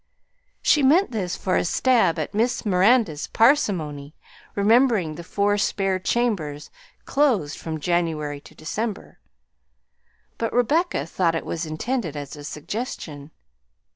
She meant this for a stab at Miss Miranda's parsimony, remembering the four spare chambers, closed from January to December; but Rebecca thought it was intended as a suggestion.